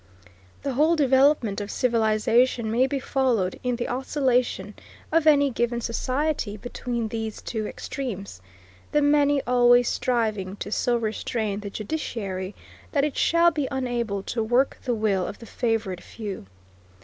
The whole development of civilization may be followed in the oscillation of any given society between these two extremes, the many always striving to so restrain the judiciary that it shall be unable to work the will of the favored few.